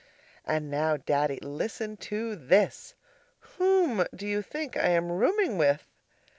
And now, Daddy, listen to this. Whom do you think I am rooming with?